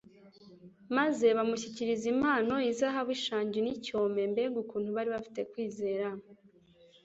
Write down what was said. maze bamushyikiriza impano : «izahabu, ishangi n'icyome» Mbega ukuntu bari bafite kwizera?